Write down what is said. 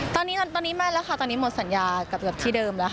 ตอนนี้ไม่แล้วค่ะตอนนี้หมดสัญญากับที่เดิมแล้วค่ะ